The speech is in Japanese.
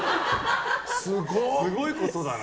すごいことだな。